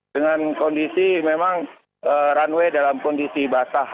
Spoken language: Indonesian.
dengan kondisi memang runway dalam kondisi basah